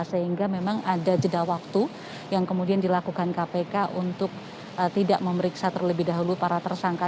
sehingga memang ada jeda waktu yang kemudian dilakukan kpk untuk tidak memeriksa terlebih dahulu para tersangka